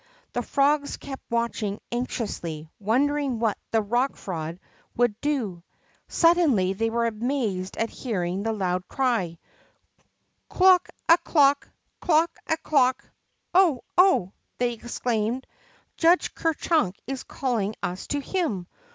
The frogs kept watching anxiously, wondering what the Rock Frog would do. Suddenly they were amazed at hearing the loud cry: Clook a clook ! Clook a clook !" Oh ! Oh !" they exclaimed, Judge Ker Chunk is calling us to him.